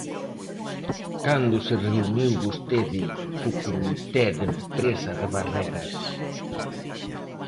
¿Cando se reuniu vostede co comité de empresa de Barreras?